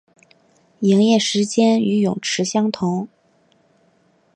营业时间与泳池相同。